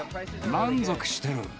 満足してる。